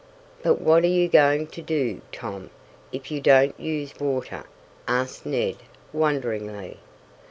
"But what are you going to do, Tom, if you don't use water?" asked Ned, wonderingly.